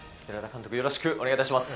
よろしくお願いします。